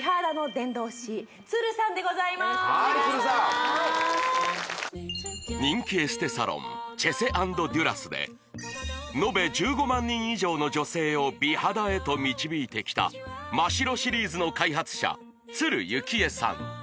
よろしくお願いしますはいさん人気エステサロンチェセ＆デュラスでのべ１５万人以上の女性を美肌へと導いてきたマ・シロシリーズの開発者幸恵さん